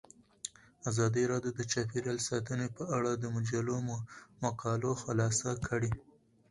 ازادي راډیو د چاپیریال ساتنه په اړه د مجلو مقالو خلاصه کړې.